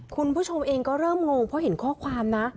คุณผู้ชมเองก็เริ่มงงเพราะเห็นข้อความนะ